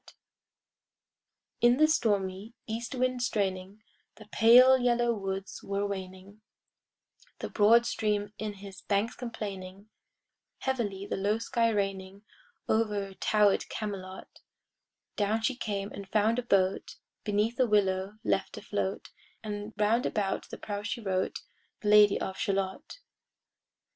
[Pg 71] PART IV In the stormy east wind straining, The pale yellow woods were waning, The broad stream in his banks complaining, Heavily the low sky raining Over tower'd Camelot; Down she came and found a boat Beneath a willow left afloat, And round about the prow she wrote The Lady of Shalott.